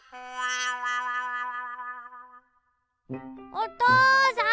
おとうさん！